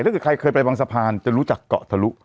ถ้าเกิดใครเคยไปบางสะพานจะรู้จักเกาะทะลุ